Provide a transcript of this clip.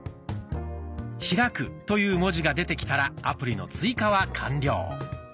「開く」という文字が出てきたらアプリの追加は完了。